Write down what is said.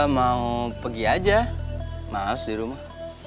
mau pergi aja maaf di rumah